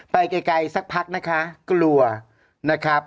ไปไกลสักพักนะคะกลัวนะครับ